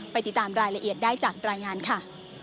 ติดตามรายละเอียดได้จากรายงานค่ะ